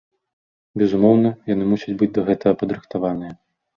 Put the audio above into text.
Безумоўна, яны мусяць быць да гэтага падрыхтаваныя.